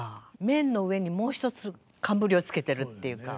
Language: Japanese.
面の上にもう一つ冠をつけてるっていうか。